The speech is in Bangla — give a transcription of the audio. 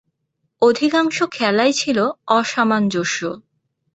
অধিকাংশ খেলাই ছিল অসামঞ্জস্য।